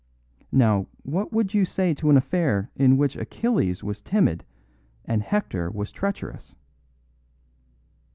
Now, what would you say to an affair in which Achilles was timid and Hector was treacherous?"